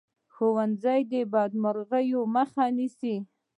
ښوونځی د بدمرغیو مخه نیسي